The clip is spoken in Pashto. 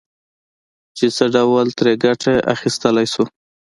چې څه ډول ترې ګټه اخيستلای شو.